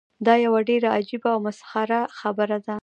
دا یوه ډیره عجیبه او مسخره خبره ده.